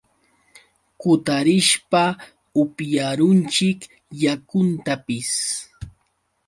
kutarishpa upyarunchik yakuntapis.